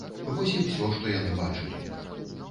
Вось і ўсё, што яны бачылі.